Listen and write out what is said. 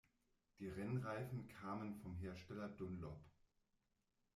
Die Rennreifen kamen vom Hersteller Dunlop.